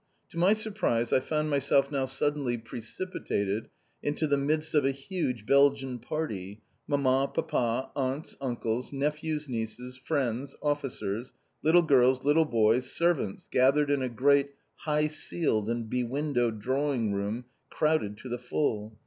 To my surprise, I found myself now suddenly precipitated into the midst of a huge Belgian party, mamma, papa, aunts, uncles, nephews, nieces, friends, officers, little girls, little boys, servants gathered in a great high ceiled and be windowed drawing room crowded to the full.